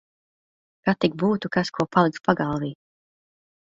Kad tik būtu kas ko palikt pagalvī.